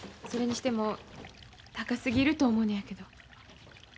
それにしても高すぎると思うのやけど。